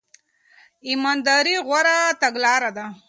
ایمانداري غوره تګلاره ده.